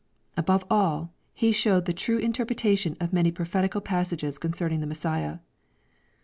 Above all,. He showed the true interpretation of many prophetical pas sages concerning the Messiah.